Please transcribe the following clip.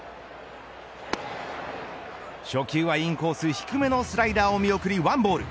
初球はインコース低めのスライダーを見送り１ボール。